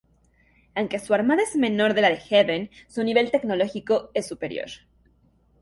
Aunque su armada es menor que la de "Haven", su nivel tecnológico es superior.